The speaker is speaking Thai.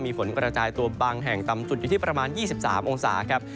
มีฝนกระจายตัวบางแห่งต่ำสุดอยู่ที่ประมาณ๒๓องศาครับ